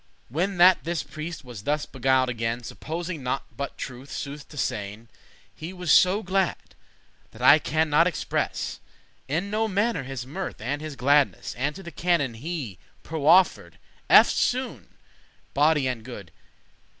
*better When that this priest was thus beguil'd again, Supposing naught but truthe, sooth to sayn, He was so glad, that I can not express In no mannere his mirth and his gladness; And to the canon he proffer'd eftsoon* *forthwith; again Body and good.